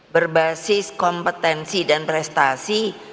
berbasis kompetensi dan prestasi